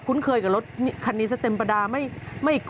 คือเขาก็ไม่รู้จัก